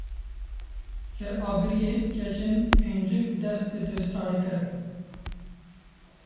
Li Agiriyê keçên pêncik dest bi dibistanê kirin.